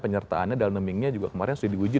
penyertaannya dalemingnya juga kemarin sudah diwujud